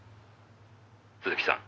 「鈴木さん